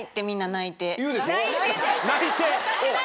泣いて？